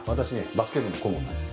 バスケ部の顧問なんです。